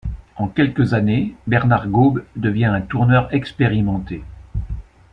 En quelques années, Bernard Gaube devient un tourneur expérimenté.